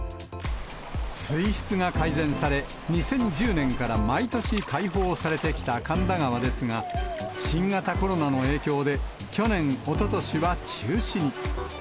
水質が改善され、２０１０年から毎年開放されてきた神田川ですが、新型コロナの影響で、去年、おととしは中止に。